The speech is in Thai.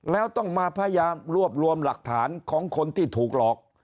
แล้วต้องมาพยายามรวบรวมหลักฐานของคนที่ถูกหลอก